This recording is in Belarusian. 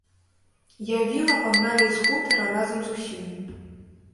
Я віла пагналі з хутара разам з усімі.